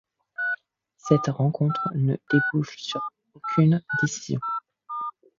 Cette rencontre ne débouche sur aucune décision.